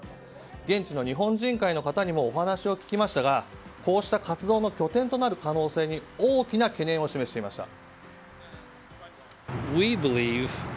現地の日本人会の人にもお話を聞きましたがこうした活動の拠点となる可能性に大きな懸念を示していました。